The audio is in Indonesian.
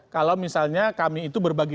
kalau misalnya kami itu berbagi